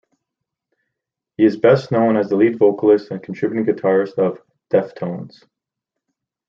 He is best known as the lead vocalist and contributing guitarist of Deftones.